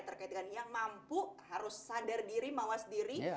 terkait dengan yang mampu harus sadar diri mawas diri